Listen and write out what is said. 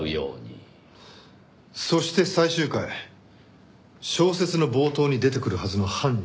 そして最終回小説の冒頭に出てくるはずの犯人